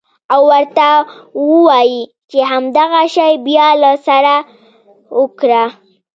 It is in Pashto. او ورته ووايې چې همدغه شى بيا له سره وکره.